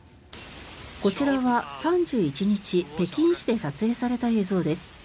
こちらは３１日北京市で撮影された映像です。